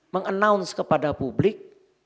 meng announce kepada publik